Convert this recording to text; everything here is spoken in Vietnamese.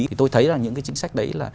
thì tôi thấy là những chính sách đấy là